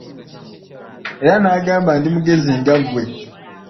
Era n'agamba, ndi mugezi nga ggwe.